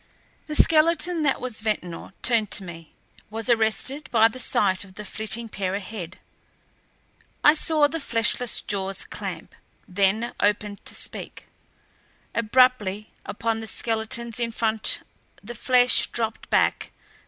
The skeleton that was Ventnor turned to me; was arrested by the sight of the flitting pair ahead. I saw the fleshless jaws clamp, then opened to speak. Abruptly, upon the skeletons in front the flesh dropped back.